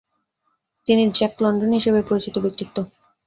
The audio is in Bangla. তিনি জ্যাক লন্ডন হিসেবেই পরিচিত ব্যক্তিত্ব।